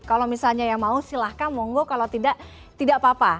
kalau misalnya yang mau silahkan monggo kalau tidak tidak apa apa